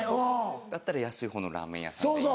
だったら安い方のラーメン屋さんでいいとか。